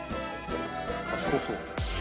賢そう。